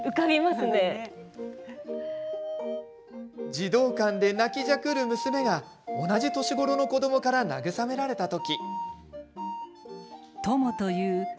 児童館で泣きじゃくる娘が同じ年頃の子どもから慰められた時。